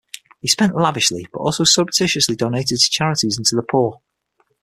He spent lavishly but also surreptitiously donated to charities and to the poor.